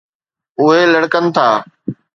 اُهي لڙڪن ٿا